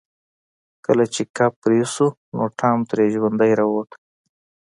کله چې کب پرې شو نو ټام ترې ژوندی راووت.